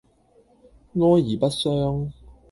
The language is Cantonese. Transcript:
哀而不傷